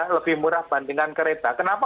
lebih murah bandingkan kereta kenapa